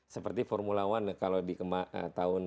seperti formula one kalau di tahun